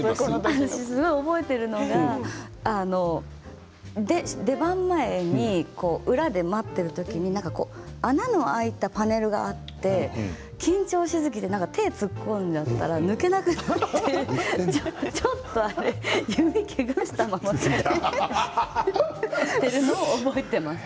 私が覚えているのは出番前に裏で待っている時に穴の開いたパネルがあって緊張しすぎて手を突っ込んじゃったら抜けなくなってちょっと指をけがしたまま、出たのを覚えています。